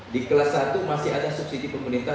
di kelas satu masih ada subsidi pemerintah satu ratus enam puluh